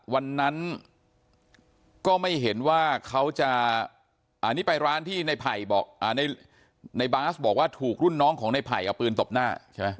วันนั้นก็ไม่เห็นว่าเขาจะอันนี้ไปร้านที่ในบาสบอกว่าถูกรุ่นน้องของในไผ่เอาปืนตบหน้าใช่ไหม